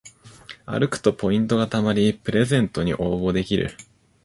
歩くとポイントがたまりプレゼントに応募できる